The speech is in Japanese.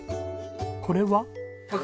これは？